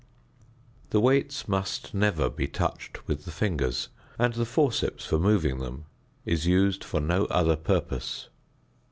The weights must never be touched with the fingers, and the forceps for moving them is used for no other purpose.